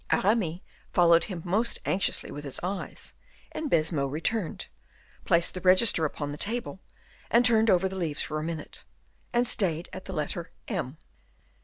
Aramis followed him most anxiously with his eyes, and Baisemeaux returned, placed the register upon the table, and turned over the leaves for a minute, and stayed at the letter M.